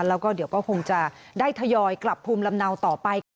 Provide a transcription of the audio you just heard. แล้วก็เดี๋ยวก็คงจะได้ทยอยกลับภูมิลำเนาต่อไปค่ะ